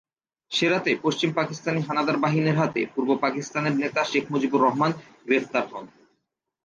সে রাতে পশ্চিম পাকিস্তানি হানাদার বাহিনীর হাতে পূর্ব পাকিস্তানের নেতা শেখ মুজিবুর রহমান গ্রেফতার হন।